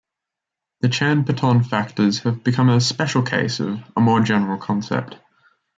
The Chan-Paton factors have become a special case of a more general concept.